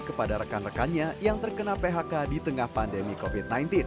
kepada rekan rekannya yang terkena phk di tengah pandemi covid sembilan belas